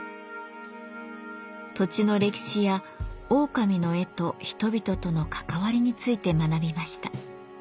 土地の歴史やオオカミの絵と人々との関わりについて学びました。